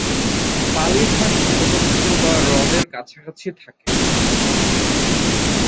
বালির হাঁস ছোট পুকুর বা হ্রদের কাছাকাছি থাকে।